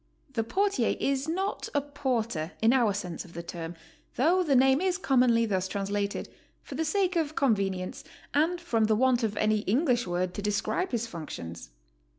The portier is not a porter, in our sense of the term, though the name is commonly thus translated, for the sake of convenience and from the want of any English word to describe his functions.